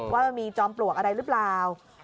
ว่ามีจอมปลวกอะไรรึเปล่า